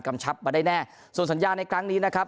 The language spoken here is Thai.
ชับมาได้แน่ส่วนสัญญาในครั้งนี้นะครับ